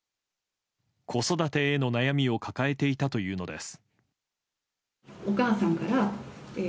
子育てへの悩みを抱えていたというのです。